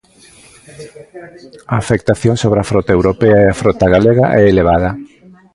A afectación sobre a frota europea e a frota galega é elevada.